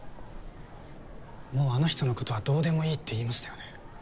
もうあの人の事はどうでもいいって言いましたよね。